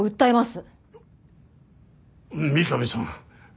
三上さん